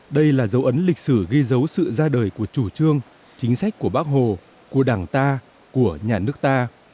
đây là dấu ấn lịch sử ghi dấu sự ra đời của chủ trương chính sách của bác hồ của đảng ta của nhà nước ta